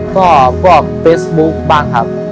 ก็พวกเฟซบุ๊คบ้างครับ